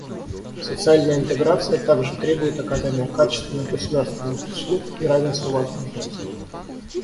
Социальная интеграция также требует оказания качественных государственных услуг и равенства возможностей.